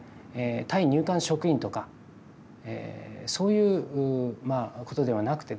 対入管職員とかそういうことではなくてですね